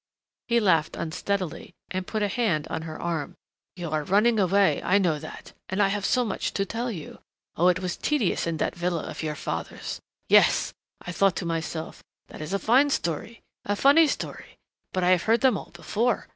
He laughed unsteadily, and put a hand on her arm. "You are running away, I know that. And I have so much to tell you ... Oh, it was tedious in that villa of your father's! 'Yes,' I thought to myself, 'that is a fine story, a funny story, but I have heard them all before.